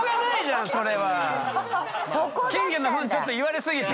金魚のフンちょっと言われすぎて。